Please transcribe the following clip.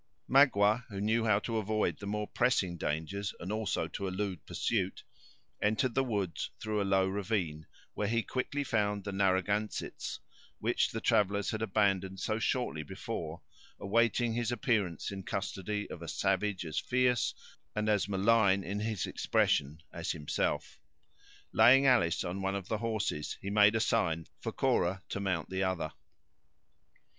Magua, who knew how to avoid the more pressing dangers, and also to elude pursuit, entered the woods through a low ravine, where he quickly found the Narragansetts, which the travelers had abandoned so shortly before, awaiting his appearance, in custody of a savage as fierce and malign in his expression as himself. Laying Alice on one of the horses, he made a sign to Cora to mount the other.